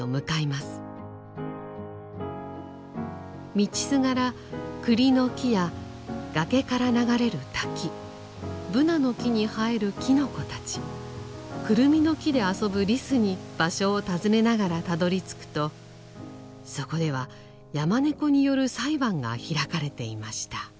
道すがら栗の木や崖から流れる滝ぶなの木に生えるきのこたちくるみの木で遊ぶリスに場所を尋ねながらたどりつくとそこでは山猫による裁判が開かれていました。